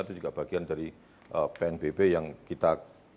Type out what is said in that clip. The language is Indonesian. bagaimana bagian dari pnbp yang kita